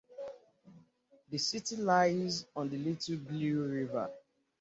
The city lies on the Little Blue River.